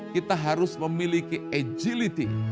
kita harus memiliki agility